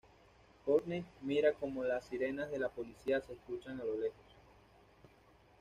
Courtney mira como las sirenas de la policía se escuchan a lo lejos.